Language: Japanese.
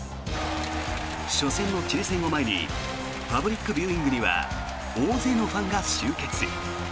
初戦のチリ戦を前にパブリックビューイングには大勢のファンが集結。